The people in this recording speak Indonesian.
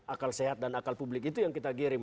akal sehat dan akal publik itu yang kita kirim